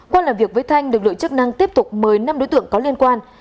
qua làm việc với thanh lực lượng chức năng tiếp tục mời năm đối tượng có liên quan